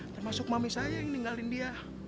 termasuk mami saya yang ninggalin dia